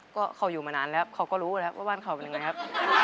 ก็เขาอยู่มานานแล้วเขาก็รู้แล้วว่าบ้านเขาเป็นยังไงครับ